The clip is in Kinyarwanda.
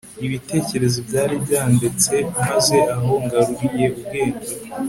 ibitekerezo byari byandetse maze aho ngaruriye ubwenge